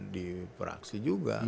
di praksi juga